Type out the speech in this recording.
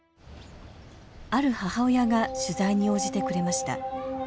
ある母親が取材に応じてくれました。